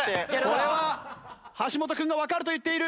これは橋本君がわかると言っている。